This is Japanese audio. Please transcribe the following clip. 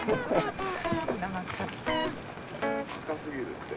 赤すぎるって。